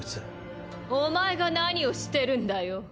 ・お前が何をしてるんだよ。